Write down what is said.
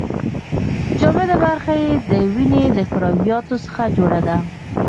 جامده برخه یې د وینې د کرویاتو څخه جوړه ده.